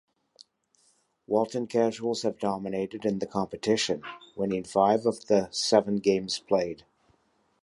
Walton Casuals have dominated in the competition, winning five of the seven games played.